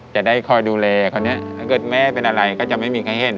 จะได้คอยดูแลคนนี้ถ้าเกิดแม่เป็นอะไรก็จะไม่มีใครเห็น